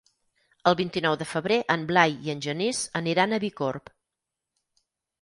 El vint-i-nou de febrer en Blai i en Genís aniran a Bicorb.